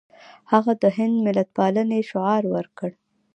هغه د هند ملتپالنې شعار ورکړ.